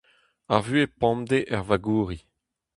Ar vuhez pemdez er vagouri.